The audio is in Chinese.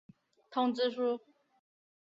通知书。